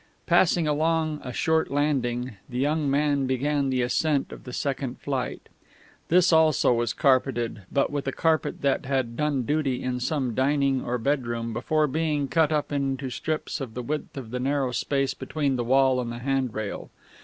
Passing along a short landing, the young man began the ascent of the second flight. This also was carpeted, but with a carpet that had done duty in some dining or bed room before being cut up into strips of the width of the narrow space between the wall and the handrail.